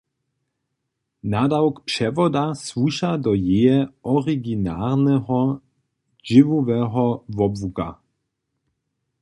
Nadawk přewoda słuša do jeje originarneho dźěłoweho wobłuka.